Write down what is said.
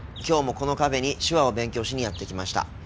今日もこのカフェに手話を勉強しにやって来ました。